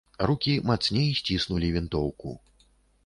Рукі мацней сціснулі вінтоўку.